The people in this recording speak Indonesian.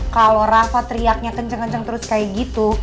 kalau rasa teriaknya kenceng kenceng terus kayak gitu